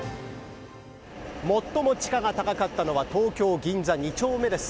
最も地価が高かったのは東京・銀座２丁目です。